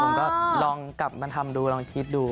ผมก็ลองกลับมาทำดูลองคิดดู